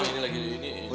ini lagi ini